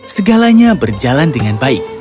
segalanya berjalan dengan baik